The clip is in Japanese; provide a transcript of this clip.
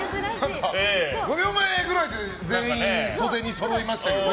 ５秒前くらいで全員、袖にそろいましたけどね。